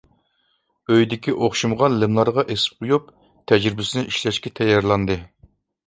ئۆيدىكى ئوخشىمىغان لىملارغا ئېسىپ قويۇپ، تەجرىبىسىنى ئىشلەشكە تەييارلاندى.